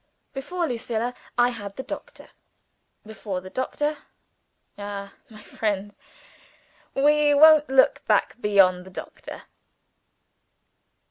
Before Lucilla I had the Doctor. Before the Doctor ah, my friends, we won't look back beyond the Doctor!